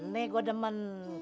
nih gua demen